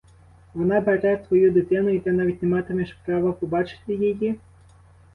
Вона бере твою дитину, і ти навіть не матимеш права побачити її?